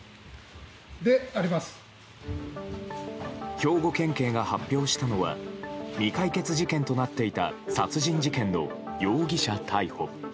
兵庫県警が発表したのは未解決事件となっていた殺人事件の容疑者逮捕。